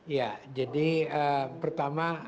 ya jadi pertama